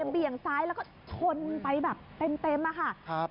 เบี่ยงซ้ายแล้วก็ชนไปแบบเต็มอะค่ะ